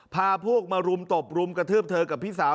พาพวกมารุมตบรุมกระทืบเธอกับพี่สาว